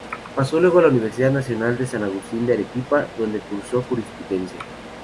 Pasó luego a la Universidad Nacional de San Agustín de Arequipa, donde cursó Jurisprudencia.